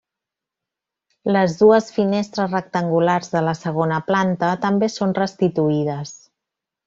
Les dues finestres rectangulars de la segona planta també són restituïdes.